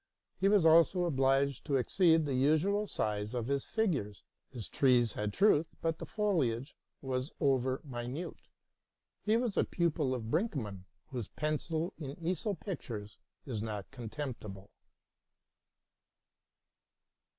He was also obliged to exceed the usual size of his figures. His trees had truth, but the foliage was over minute. He was a pupil of Brinkmann, whose pencil in easel pictures is not contemptible.